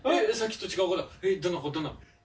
どんな子？